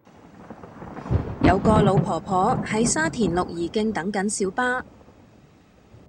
有個老婆婆喺沙田綠怡徑等緊小巴